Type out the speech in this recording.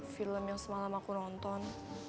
film yang semalam aku nonton